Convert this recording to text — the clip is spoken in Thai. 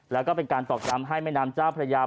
แล้วก็เป็นการตอกย้ำให้แม่น้ำเจ้าพระยา